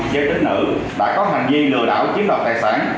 gia đình nữ đã có hành vi lừa đảo chiếm đọc tài sản